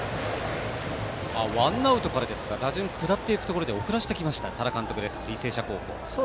ワンアウトから打順を下っていくところで送らせてきました、多田監督履正社高校。